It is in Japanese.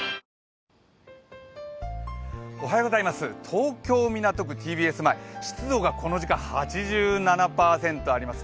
東京・港区ＴＢＳ前、湿度がこの時間８７％あります。